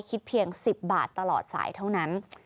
คิดเพียง๑๐บาทตลอดสายเท่านั้น